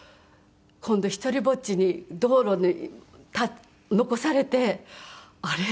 今度独りぼっちに道路に残されてあれ？